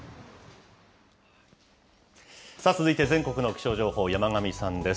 続いて全国の気象情報、山神さんです。